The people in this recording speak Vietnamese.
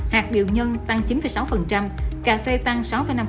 hạt điều nhân tăng chín sáu cà phê tăng sáu năm